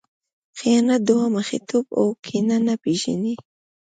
خیانت، دوه مخی توب او کینه نه پېژني.